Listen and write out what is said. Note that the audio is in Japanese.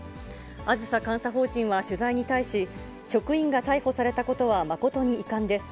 あずさ監査法人は取材に対し、職員が逮捕されたことは誠に遺憾です。